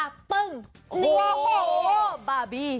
โอ้โหบาร์บี้